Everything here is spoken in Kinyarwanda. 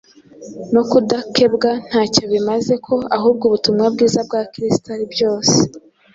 no kudakebwa ntacyo bimaze ko ahubwo ubutumwa bwiza bwa Kristo ari byose.